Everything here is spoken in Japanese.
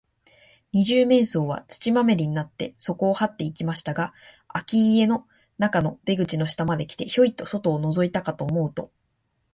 二十面相は、土まみれになって、そこをはっていきましたが、あき家の中の出口の下まで来て、ヒョイと外をのぞいたかと思うと、